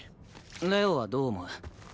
玲王はどう思う？